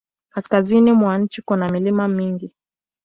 Kaskazini mwa nchi kuna milima mingi.